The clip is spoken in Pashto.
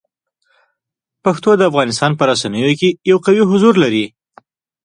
پښتو د افغانستان په رسنیو کې یو قوي حضور لري.